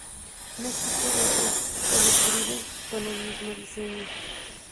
No existe otro overdrive con el mismo diseño.